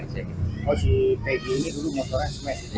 oh si peggy ini motornya smash gitu